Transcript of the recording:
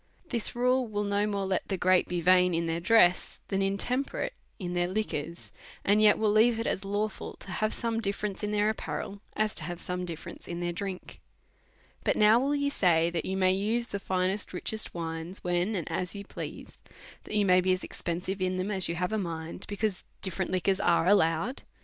This rule will no more let the great be vain in their dress, than intemperate in their liquors ; and yet will leave it as lawful to have some difference in their drink. But now will you say, that you may use the finest richest wines, when and as you please, that you may be as expensive in them as you have a mind, because different liquors are allowed